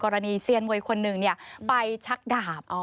กรณีซีอียนมวยคนนึงเนี่ยไปชักดาบ